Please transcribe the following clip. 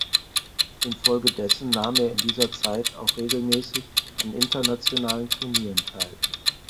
Infolgedessen nahm er in dieser Zeit auch regelmäßig an internationalen Turnieren teil.